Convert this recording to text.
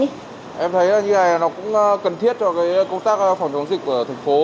em thấy như thế này nó cũng cần thiết cho công tác phòng chống dịch ở thịnh phố